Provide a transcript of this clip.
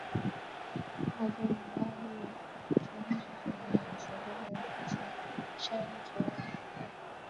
奥多尼奥立即开始兴兵以协助他的父亲声讨王位。